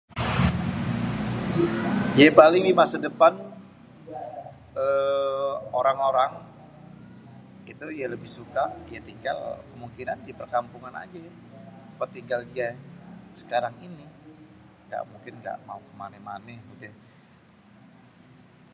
Yé paling di masa depan ééé orang-orang itu ya lebih suka ya tinggal kemungkinan di perkampungan ajé, tempat tinggal dié sekarang ini. Nggak mungkin, énggak mau ke mané-mané udéh.